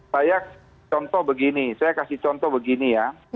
saya kasih contoh begini ya